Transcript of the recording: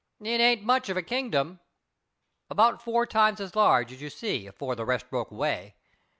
"It ain't much of a kingdom." "About four times as large as you see afore the rest broke away.